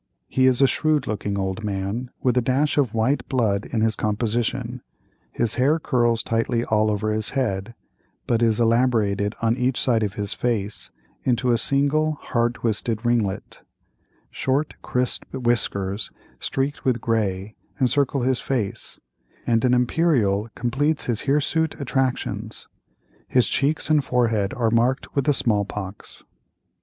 He is a shrewd looking old man, with a dash of white blood in his composition; his hair curls tightly all over his head, but is elaborated on each side of his face into a single hard twisted ringlet; short crisped whiskers, streaked with grey, encircle his face, and an imperial completes his hirsute attractions; his cheeks and forehead are marked with the small pox.